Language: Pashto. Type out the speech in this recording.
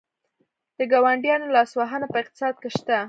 د ګاونډیانو لاسوهنه په اقتصاد کې شته؟